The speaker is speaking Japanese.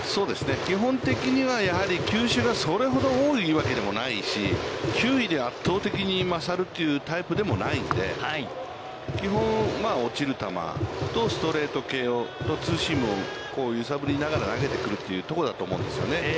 基本的にはやはり球種がそれほど多いわけでもないし、球威で圧倒的にまさるというタイプでもないので、基本、落ちる球とストレート系とツーシームを揺さぶりながら投げてくるというところだと思うんですよね。